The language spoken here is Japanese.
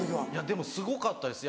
でもすごかったです